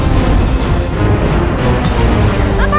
mas kita kepalanya